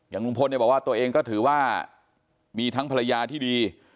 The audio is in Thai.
อย่างลุงพลบอกว่าตัวเองก็ถือว่ามีทั้งภรรยาที่ดี